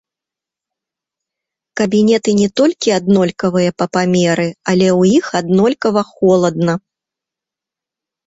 Кабінеты не толькі аднолькавыя па памеры, але ў іх аднолькава холадна.